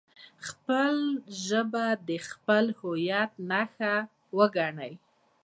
خپله ژبه د خپل هویت نښه وګڼئ.